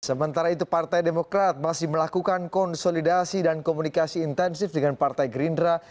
sementara itu partai demokrat masih melakukan konsolidasi dan komunikasi intensif dengan partai gerindra